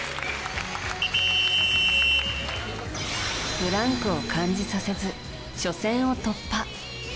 ブランクを感じさせず初戦を突破。